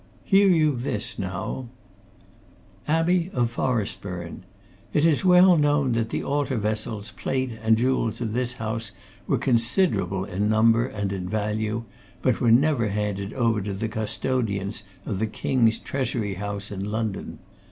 Hear you this, now: "Abbey of Forestburne. It is well known that the altar vessels, plate, and jewels of this house were considerable in number and in value, but were never handed over to the custodians of the King's Treasury House in London.